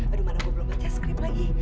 aduh mana gue belum baca script lagi